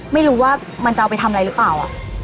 ไม่รู้ว่ามันจะเอาไปทำอะไรหรือเปล่า